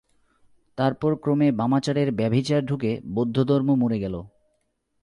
তারপর ক্রমে বামাচারের ব্যভিচার ঢুকে বৌদ্ধধর্ম মরে গেল।